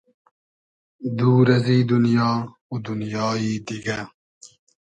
دور ازی دونیا و دونیایی دیگۂ